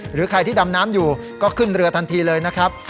หรือใครที่ดำน้ำอยู่ก็ขึ้นเรือทันทีเลยนะครับ